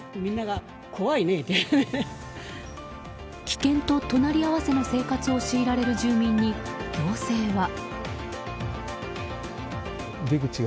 危険と隣り合わせの生活を強いられる住民に行政は。